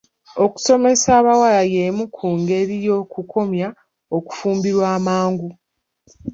Okusomesa abawala y'emu ku ngeri y'okukomya okufumbirwa amangu.